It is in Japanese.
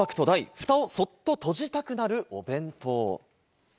フタをそっと閉じたくなるお弁当。